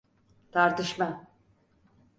Tartışma!